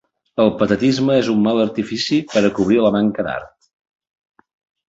El patetisme és un mal artifici per a cobrir la manca d'art.